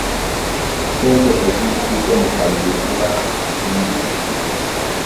Ssente eziyitiridde mu kalulu ziba mbi.